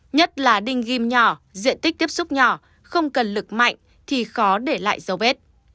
nhất là đinh kim nhỏ diện tích tiếp xúc nhỏ không cần lực mạnh thì khó để lại dấu vết